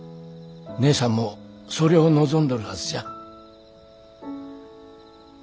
義姉さんもそりょお望んどるはずじゃ。